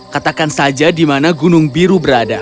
katakan saja di mana gunung biru berada